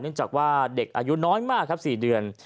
จากว่าเด็กอายุน้อยมากครับ๔เดือน